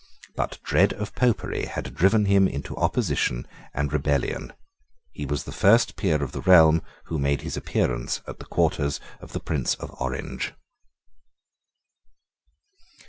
But dread of Popery had driven him into opposition and rebellion. He was the first peer of the realm who made his appearance at the quarters of the Prince of Orange.